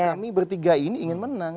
kami bertiga ini ingin menang